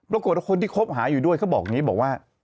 ปรากฏว่าคนที่คบหาอยู่ด้วยเขาบอกอย่างนี้บอกว่า